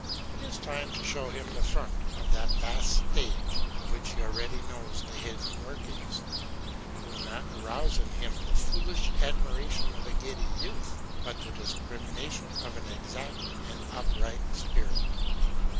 It is time to show him the front of that vast stage, of which he already knows the hidden workings. It will not arouse in him the foolish admiration of a giddy youth, but the discrimination of an exact and upright spirit.